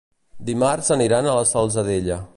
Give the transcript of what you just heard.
Dimarts aniran a la Salzadella.